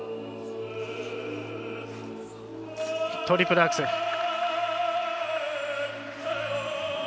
トリプルアクセル。